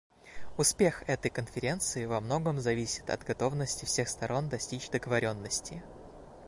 Успех этой Конференции во многом зависит от готовности всех сторон достичь договоренности.